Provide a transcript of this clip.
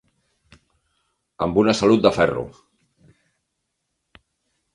Amb una salut de ferro.